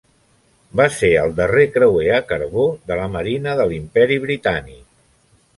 Va ser el darrer creuer a carbó de la marina de l'Imperi Britànic.